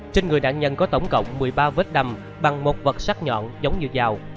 trên người nạn nhân có tổng cộng một mươi ba vết đầm bằng một vật sắt nhọn giống như dao